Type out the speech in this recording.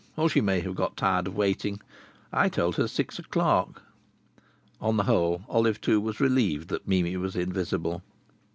Or she may have got tired of waiting. I told her six o'clock." On the whole Olive Two was relieved that Mimi was invisible.